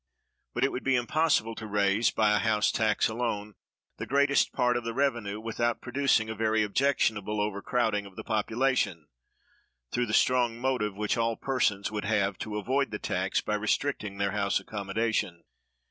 But it would be impossible to raise, by a house tax alone, the greatest part of the revenue, without producing a very objectionable overcrowding of the population, through the strong motive which all persons would have to avoid the tax by restricting their house accommodation.